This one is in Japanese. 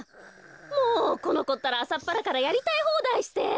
もうこのこったらあさっぱらからやりたいほうだいして。